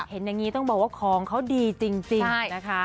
เห็นอย่างนี้ต้องบอกว่าของเขาดีจริงนะคะ